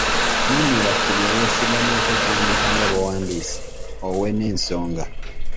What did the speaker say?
Nnyonnyola ku bye weesigamyeko okuwandiika nga bw'owandiise, owe n'ensonga.